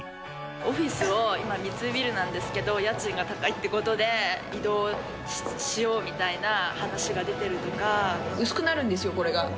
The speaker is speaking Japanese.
オフィスを今、三井ビルなんですけど、家賃が高いってことで、移動しようみたい薄くなるんですよ、これが。